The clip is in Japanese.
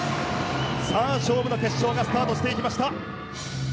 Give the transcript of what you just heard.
さあ、勝負の決勝がスタートしていきました。